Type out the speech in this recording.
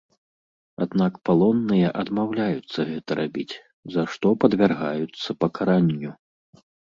Аднак палонныя адмаўляюцца гэта рабіць, за што падвяргаюцца пакаранню.